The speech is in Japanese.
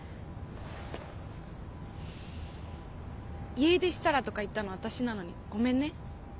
「家出したら」とか言ったの私なのにごめんね。